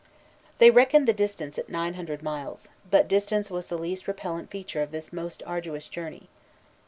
They reckoned the distance at nine hundred miles; but distance was the least repellent feature of this most arduous journey.